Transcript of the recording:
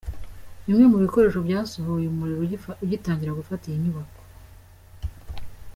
Bimwe mu bikoresho byasohowe uyu muriro ugitangira gufata iyi nyubako.